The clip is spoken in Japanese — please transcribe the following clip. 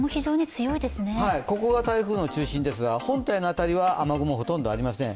ここが台風の中心ですが本体の辺りは雨雲ほとんどありません。